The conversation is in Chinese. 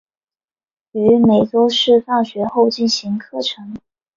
于每周四放学后进行课程。